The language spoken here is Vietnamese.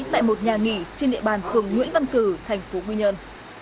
tại một nhà nghỉ trên địa bàn phường nguyễn văn cử thành phố quy nhơn